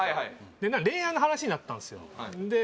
恋愛の話になったんですよで